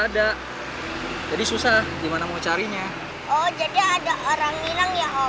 oh jadi ada orang bilang ya om